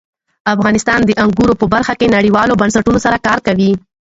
افغانستان د انګور په برخه کې نړیوالو بنسټونو سره کار کوي.